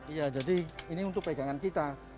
iya jadi ini untuk pegangan kita